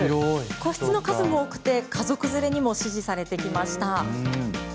個室の数も多く家族連れにも支持されてきました。